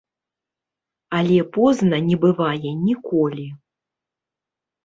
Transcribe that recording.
Але позна не бывае ніколі.